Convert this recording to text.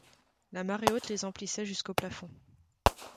La marée haute les emplissait jusqu’au plafond.